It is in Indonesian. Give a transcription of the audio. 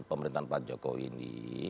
pemerintahan pak jokowi ini